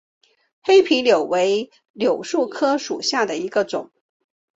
黑皮柳为杨柳科柳属下的一个种。